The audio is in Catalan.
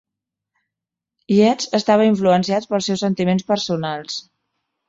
Yeats estava influenciat pels seus sentiments personals.